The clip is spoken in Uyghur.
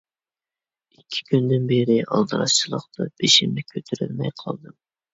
ئىككى كۈندىن بېرى ئالدىراشچىلىقتا بېشىمنى كۆتۈرەلمەي قالدىم.